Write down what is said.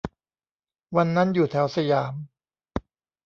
วันนั้นอยู่แถวสยาม